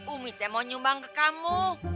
umi saya mau nyumbang ke kamu